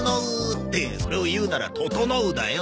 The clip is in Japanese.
ってそれを言うなら「ととのう」だよ。